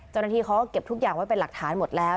เจ้าหน้าที่เขาก็เก็บทุกอย่างไว้เป็นหลักฐานหมดแล้ว